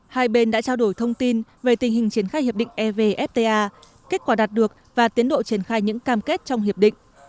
hai bên đã trao đổi thông tin về tình hình triển khai hiệp định evfta kết quả đạt được và tiến độ triển khai những cam kết trong hiệp định